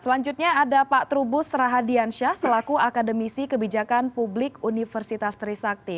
selanjutnya ada pak trubus rahadiansyah selaku akademisi kebijakan publik universitas trisakti